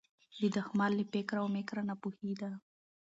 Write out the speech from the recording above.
د دښمن له فکر او مِکره ناپوهي ده